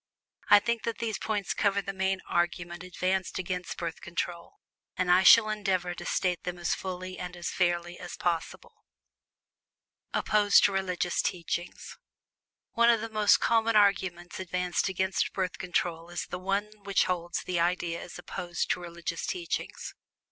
I think that these points cover the main argument advanced against Birth Control, and I shall endeavor to state them as fully and as fairly as possible. OPPOSED TO RELIGIOUS TEACHINGS. One of the most common arguments advanced against Birth Control is the one which holds that the idea is opposed to religious teachings.